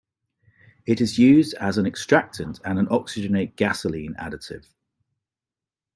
It is used as an extractant and an oxygenate gasoline additive.